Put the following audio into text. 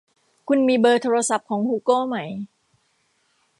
คุณมีเบอร์โทรศัพท์ของฮูโกไหม